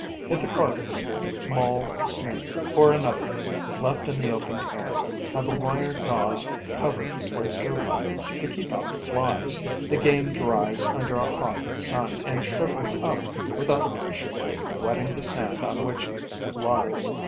If the carcass mole, snake or another left in the open air have a wire gauze cover placed over it, to keep out the flies, the game dries under a hot sun and shrivels up without appreciably wetting the sand on which it lies.